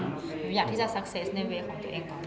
หนูอยากที่จะซักเซสในเวย์ของตัวเองก่อน